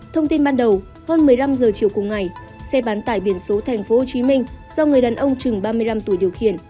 thông tin ban đầu hơn một mươi năm h chiều cùng ngày xe bán tải biển số tp hcm do người đàn ông chừng ba mươi năm tuổi điều khiển